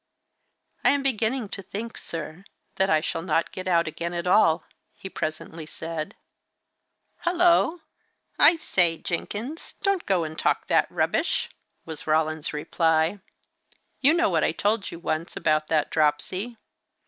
"I am beginning to think, sir, that I shall not get out again at all," he presently said. "Holloa! I say, Jenkins, don't go and talk that rubbish!" was Roland's reply. "You know what I told you once, about that dropsy.